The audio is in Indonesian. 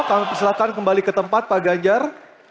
kami persilakan kembali ke tempat pak ganjar